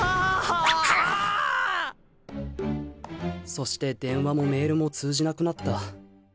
そして電話もメールも通じなくなった。